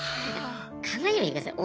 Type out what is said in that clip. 考えてみてください。